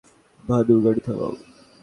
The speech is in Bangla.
ভানু, গাড়ি থামাও।